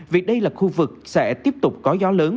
vì đây là khu vực sẽ tiếp tục có gió lớn